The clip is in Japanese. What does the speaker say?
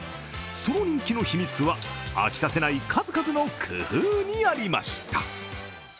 その人気の秘密は、飽きさせない数々の工夫にありました。